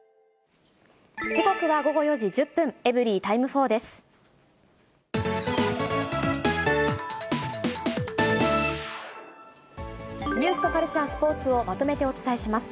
時刻は午後４時１０分、エブリィタイム４です。